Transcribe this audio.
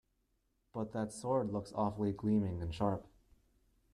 But that sword looks awfully gleaming and sharp.